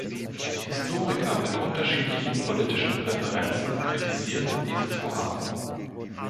Historiker mit unterschiedlichen politischen Präferenzen kritisierten dieses Vorhaben.